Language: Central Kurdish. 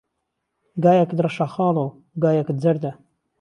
گایهکت رهشه خاڵۆ، گایهکت زهرده